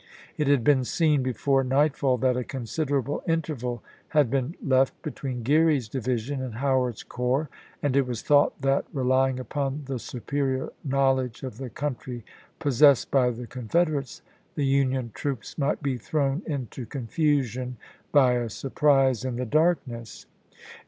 It had been seen before nightfall that a considerable interval had been left between Geary's division and Howard's corps, and it was thought that, relying upon the superior knowledge of the country possessed by the Con federates, the Union troops might be thrown into confusion by a surprise in the darkness.